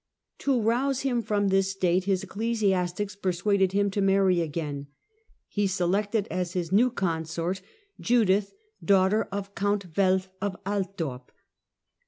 To rouse him from this state his ecclesi astics persuaded him to marry again. He selected as his new consort Judith, daughter of Count Welf of Alt dorp.